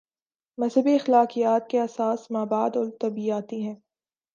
مذہبی اخلاقیات کی اساس مابعد الطبیعیاتی ہے۔